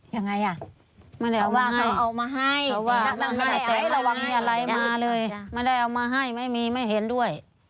ยังไงอ่ะเขาว่าเขาเอามาให้แต่มันไม่ได้เอามาให้ไม่มีไม่เห็นด้วย